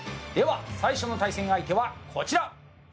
最初の対戦相手はこちら。